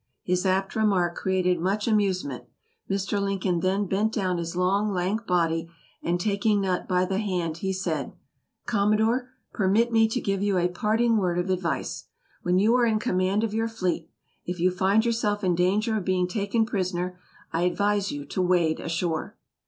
His apt remark created much amusement. Mr. Lincoln then bent down his long, lank body, and taking Nutt by the hand, he said: "Commodore, permit me to give you a parting word of advice. When you are in command of your fleet, if you find yourself in danger of being taken prisoner, I advise you to wade ashore."